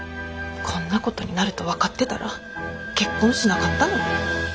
こんなことになると分かってたら結婚しなかったのに。